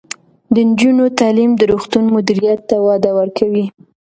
د نجونو تعلیم د روغتون مدیریت ته وده ورکوي.